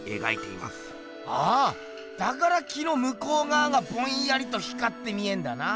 ああだから木のむこうがわがぼんやりと光って見えんだな。